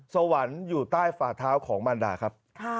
สวรรค์อยู่ใต้ฝาเท้าของมันดาครับ